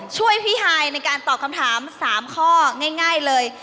ช่วยพี่ฮายในการตอบคำถาม๓ข้อง่ายเลย